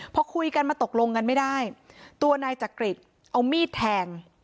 พอคุยกันมาตกลงกันไม่ได้ตัวนายจักริตเอามีดแทง